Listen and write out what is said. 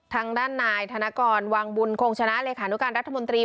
ทางด้านนายธนกรวังบุญคงชนะเลขานุการรัฐมนตรี